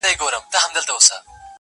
چې نیمو خلکو ته ووايي